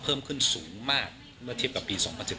เพิ่มขึ้นสูงมากเมื่อเทียบกับปี๒๐๑๙